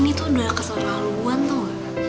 ma ini tuh udah keselaluan tuh